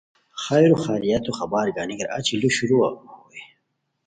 خیر خیریتو خبر گانیکار اچی لو شروع ہوئے